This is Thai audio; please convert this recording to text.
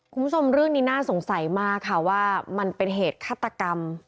คุณผู้ชมเรื่องนี้น่าสงสัยมากค่ะว่ามันเป็นเหตุฆาตกรรม